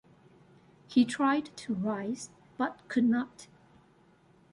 He tried to rise but could not.